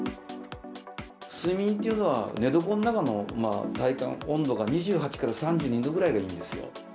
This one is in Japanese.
睡眠というのは、寝床の中の体感温度が２８から３２度ぐらいがいいんですよ。